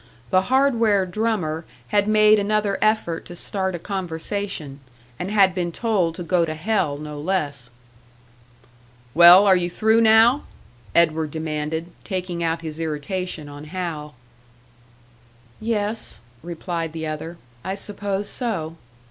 The "hardware drummer" had made another effort to start a conversation, and had been told to go to hell no less! "Well, are you through now?" Edward demanded, taking out his irritation on Hal. "Yes," replied the other. "I suppose so."